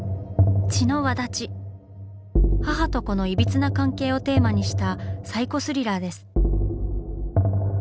母と子のいびつな関係をテーマにしたサイコスリラーです。